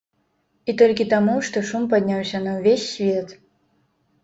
І толькі таму, што шум падняўся на ўвесь свет.